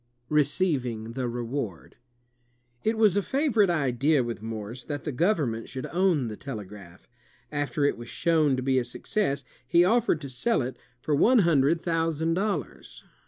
'' Receiving the Reward It was a favorite idea with Morse that the government should own the telegraph. After it was shown to be a success, he offered to sell it for one himdred thousand SAMUEL F. B. MORSE 227 dollars.